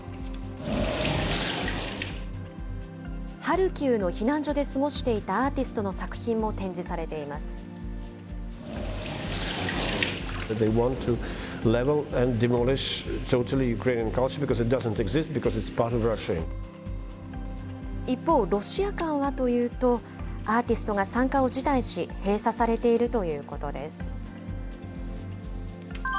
ハルキウの避難所で過ごしていたアーティストの作品も展示されて一方、ロシア館はというと、アーティストが参加を辞退し、閉鎖されているということです。